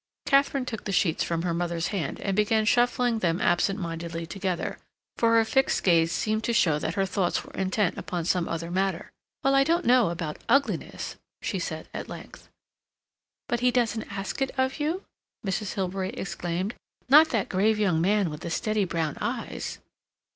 Katharine took the sheets from her mother's hand and began shuffling them absent mindedly together, for her fixed gaze seemed to show that her thoughts were intent upon some other matter. "Well, I don't know about ugliness," she said at length. "But he doesn't ask it of you?" Mrs. Hilbery exclaimed. "Not that grave young man with the steady brown eyes?"